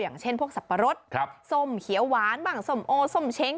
อย่างเช่นพวกสับปะรดส้มเขียวหวานบ้างส้มโอส้มเช้ง